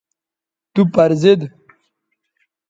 تو پر زید